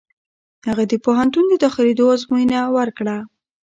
هغه د پوهنتون د داخلېدو ازموینه ورکړه.